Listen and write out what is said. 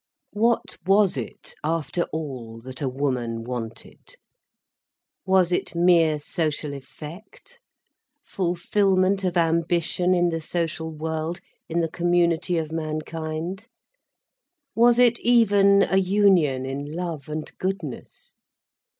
What was it, after all, that a woman wanted? Was it mere social effect, fulfilment of ambition in the social world, in the community of mankind? Was it even a union in love and goodness?